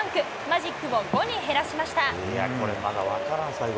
マジックを５に減らしました。